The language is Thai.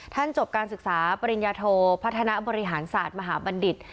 จบการศึกษาปริญญาโทพัฒนาบริหารศาสตร์มหาบัณฑิต